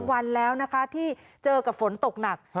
วันแล้วนะคะที่เจอกับฝนตกหนัก